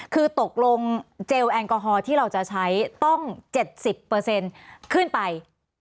คือตกลงเจลแอลกอฮอลที่เราจะใช้ต้อง๗๐ขึ้นไป